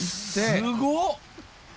すごっ！